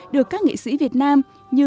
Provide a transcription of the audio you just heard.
được các nghệ sĩ việt nam như